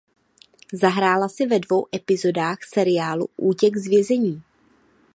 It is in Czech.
Zahrála si ve dvou epizodách seriálu "Útěk z vězení".